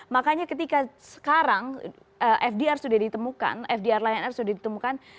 makanya ketika sekarang fdr sudah ditemukan fdr lion air sudah ditemukan